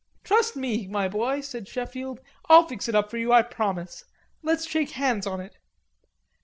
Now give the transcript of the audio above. "Trust me, my boy," said Sheffield. "I'll fix it up for you, I promise. Let's shake hands on it."